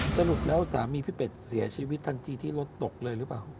สรุปแล้วสามีพี่เป็ดเสียชีวิตทันทีที่รถตกเลยหรือเปล่า